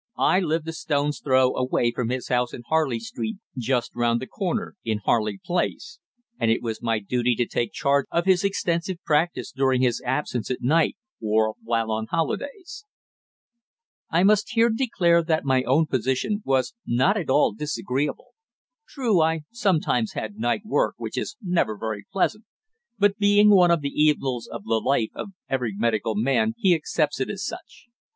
I lived a stone's throw away from his house in Harley Street, just round the corner in Harley Place, and it was my duty to take charge of his extensive practice during his absence at night or while on holidays. I must here declare that my own position was not at all disagreeable. True, I sometimes had night work, which is never very pleasant, but being one of the evils of the life of every medical man he accepts it as such.